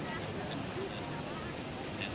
สวัสดีครับทุกคน